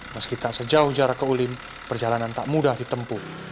meski tak sejauh jarak ke ulin perjalanan tak mudah ditempuh